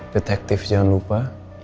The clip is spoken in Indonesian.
detektif jangan lupa